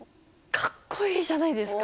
かっこいいじゃないですか！